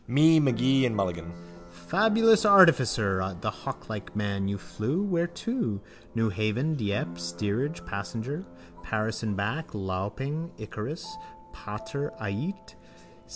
Me, Magee and Mulligan. Fabulous artificer. The hawklike man. You flew. Whereto? Newhaven Dieppe, steerage passenger. Paris and back. Lapwing. Icarus. _Pater, ait.